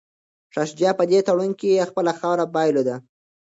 شاه شجاع په دې تړون کي خپله خاوره بایلوده.